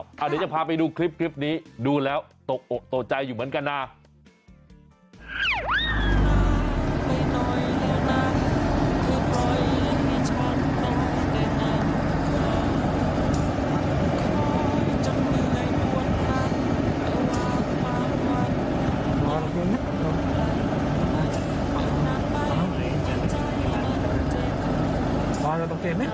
เดี๋ยวจะพาไปดูคลิปนี้ดูแล้วตกอกตกใจอยู่เหมือนกันนะ